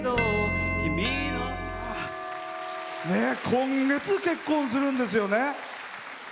今月結婚するんですよね。